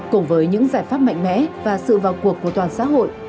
cùng với những giải pháp mạnh mẽ và sự vào cuộc của toàn xã hội